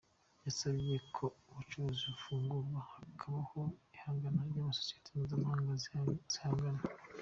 Yasabye ko ubucuruzi bufungurwa hakabaho ihangana na sosiyete mpuzamahanga zigahangana.